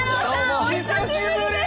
お久しぶりです！